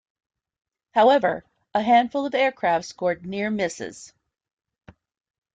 However, a handful of aircraft scored near misses.